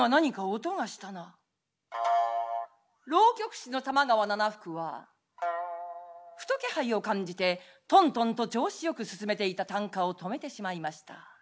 浪曲師の玉川奈々福はふと気配を感じてとんとんと調子よく進めていた啖呵を止めてしまいました。